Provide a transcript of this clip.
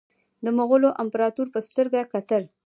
د مغولو امپراطور په سترګه کتل.